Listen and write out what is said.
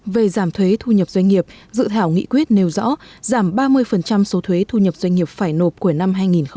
về giảm thuế thu nhập doanh nghiệp dự thảo nghị quyết nêu rõ giảm ba mươi số thuế thu nhập doanh nghiệp phải nộp của năm hai nghìn hai mươi